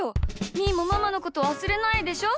みーもママのことわすれないでしょ？